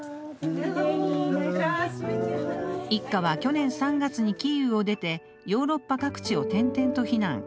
一家は去年３月にキーウを出てヨーロッパ各地を転々と避難。